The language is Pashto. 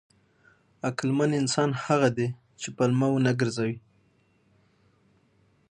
عقلمن انسان هغه دی چې پلمه ونه ګرځوي.